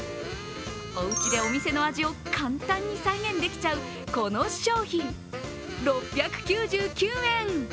おうちでお店の味を簡単に再現できちゃうこの商品、６９９円。